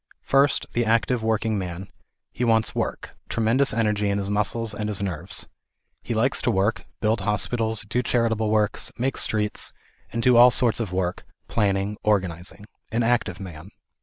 First the active working man ; he wants work ; tremendous energy in his muscles and his nerves. He likes te work, build hospitals, do charitable works, make streets, and do all sorts of work, planning, organizing ; an active man.